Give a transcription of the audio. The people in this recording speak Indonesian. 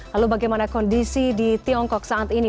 lalu bagaimana kondisi di tiongkok saat ini